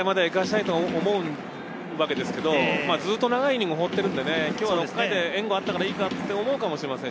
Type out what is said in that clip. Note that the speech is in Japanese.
７回まではいかせたいと思うところなんですけど、ずっと長いイニングを放っているんで、今日は６回で援護があったからいいかなと思うかもしれません。